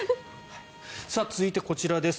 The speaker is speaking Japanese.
続いて、こちらです。